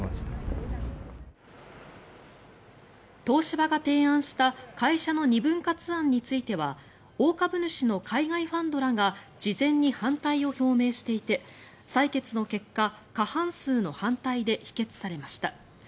東芝が提案した会社の２分割案については大株主の海外ファンドらが事前に反対を表明していて採決の結果過半数の反対で否決されました。